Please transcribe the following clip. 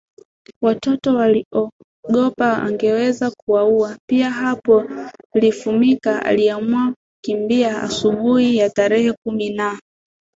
Watoto waliogopa angeweza kuwaua pia Hapo Lifumika aliamua kukimbia asubuhi ya tarehe kumi na